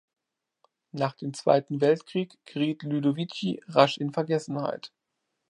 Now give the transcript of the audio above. Nach dem Zweiten Weltkrieg geriet Ludovici rasch in Vergessenheit.